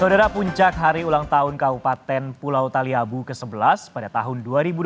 saudara puncak hari ulang tahun kabupaten pulau taliabu ke sebelas pada tahun dua ribu dua puluh